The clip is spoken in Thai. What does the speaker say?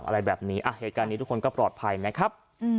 อะไรแบบนี้เหตุการณ์นี้ทุกคนก็ปลอดภัยนะครับ